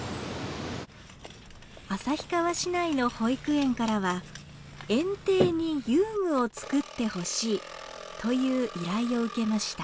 旭川市内の保育園からは園庭に遊具を作ってほしいという依頼を受けました。